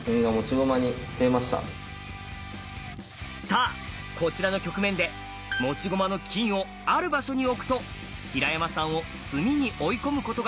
さあこちらの局面で持ち駒の金をある場所に置くと平山さんを「詰み」に追い込むことができます。